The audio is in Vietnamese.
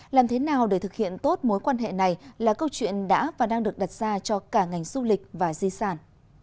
làm thế nào để thực hiện tốt mối quan hệ này là câu chuyện đã và đang được đặt ra cho cả ngành du lịch và di sản